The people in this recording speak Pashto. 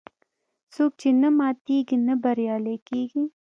څوک چې نه ماتیږي، نه بریالی کېږي.